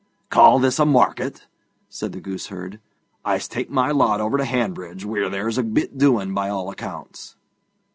'Call this a market?' said the gooseherd. 'I'st tak' my lot over to Hanbridge, wheer there is a bit doing, by all accounts.'